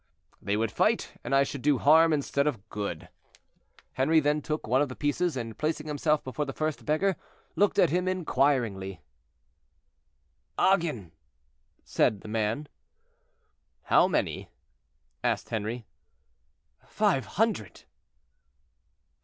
"They would fight, and I should do harm instead of good."' Henry then took one of the pieces, and, placing himself before the first beggar, looked at him inquiringly. "Agen," said the man. "How many?" asked Henri. "Five hundred."